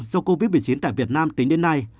do covid một mươi chín tại việt nam tính đến nay